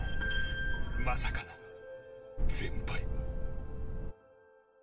まさかの全敗。